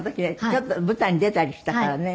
ちょっと舞台に出たりしたからね。